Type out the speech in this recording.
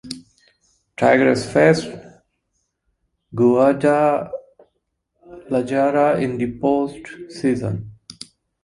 Tigres faced Guadalajara in the postseason.